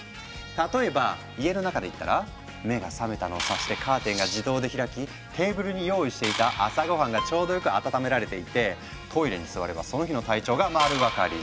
例えば家の中でいったら目が覚めたのを察してカーテンが自動で開きテーブルに用意していた朝ごはんがちょうどよく温められていてトイレに座ればその日の体調が丸分かり。